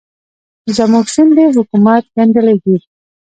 زموږ شونډې حکومت ګنډلې دي.